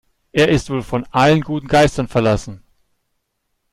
Er ist wohl von allen guten Geistern verlassen.